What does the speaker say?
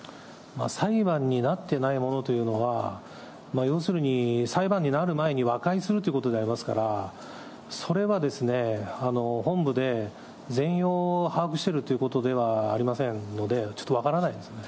裁判になってないものというのは、要するに裁判になる前に和解するということでありますから、それはですね、本部で全容を把握しているということではありませんので、ちょっと分からないですね。